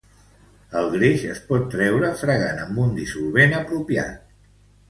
El greix es pot traure fregant amb un dissolvent apropiat.